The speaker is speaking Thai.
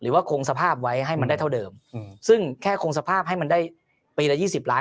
ว่าคงสภาพไว้ให้มันได้เท่าเดิมซึ่งแค่คงสภาพให้มันได้ปีละยี่สิบล้าน